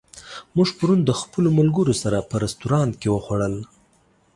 موږ پرون د خپلو ملګرو سره په رستورانت کې وخوړل.